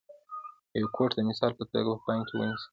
یو کوټ د مثال په توګه په پام کې ونیسئ.